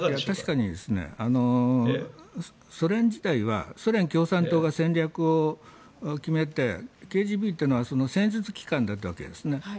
確かにソ連時代はソ連共産党が戦略を決めてＫＧＢというのは戦術機関だったわけですね。